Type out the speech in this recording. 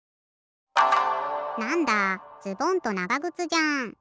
なんだズボンとながぐつじゃん。